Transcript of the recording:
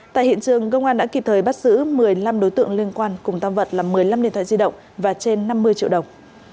tại hiện trường công an đã kịp thời bắt giữ một mươi năm đối tượng liên quan cùng tam vật là một mươi năm điện thoại di động và trên năm mươi triệu đồng